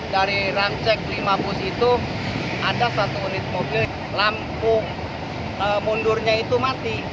dari ramcek lima bus itu ada satu unit mobil lampu mundurnya itu mati